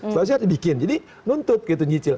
setelah saya bikin jadi nuntut gitu nyicil